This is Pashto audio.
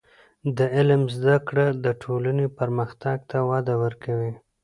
د علم زده کړه د ټولنې پرمختګ ته وده ورکوي.